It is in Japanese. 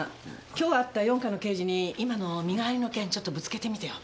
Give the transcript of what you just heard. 今日会った四課の刑事に今の身代わりの件ちょっとぶつけてみてよ。